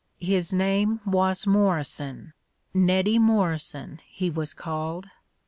His name was Morrison Neddy Morrison he was called.